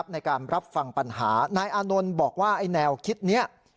ในการรับฟังปัญหานายอานนท์บอกว่าไอ้แนวคิดนี้